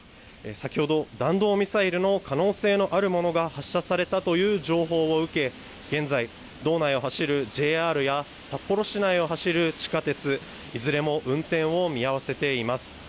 先ほど、弾道ミサイルの可能性のあるものが発射されたという情報を受け、現在、道内を走るＪＲや札幌市内を走る地下鉄、いずれも運転を見合わせています。